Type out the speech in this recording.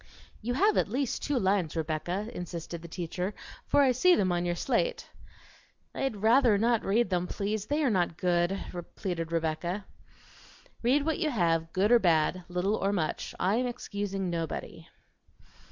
"You have at least two lines, Rebecca," insisted the teacher, "for I see them on your slate." "I'd rather not read them, please; they are not good," pleaded Rebecca. "Read what you have, good or bad, little or much; I am excusing nobody."